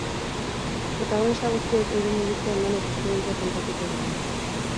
Protagonista guztiek euren iritzia eman eta esperientzia kontatuko dute.